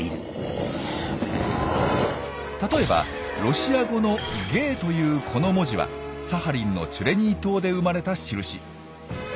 例えばロシア語の「ゲー」というこの文字はサハリンのチュレニー島で生まれた印。